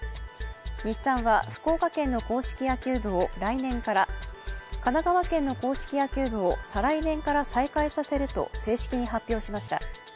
日産は福岡県の硬式野球部を来年から神奈川県の硬式野球部を再来年から再開させると正式に発表しました。